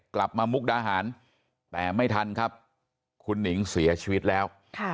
มุกดาหารแต่ไม่ทันครับคุณหนิงเสียชีวิตแล้ว